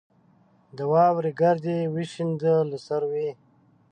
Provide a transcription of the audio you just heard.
د واورې ګرد یې وشینده له سروې